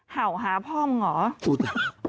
เห่าหาพ่อมึงเหรอ